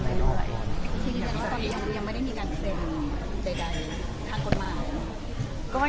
จริงจริงตอนนี้ก็ยังไม่ได้มีการเขียนใดใดทางกฎหมาย